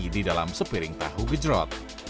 di dalam sepiring tahu gejrot